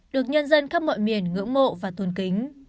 được nhân dân khắp mọi miền ngưỡng mộ và thuần kính